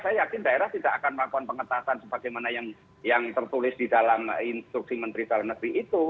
saya yakin daerah tidak akan melakukan pengetatan sebagaimana yang tertulis di dalam instruksi menteri dalam negeri itu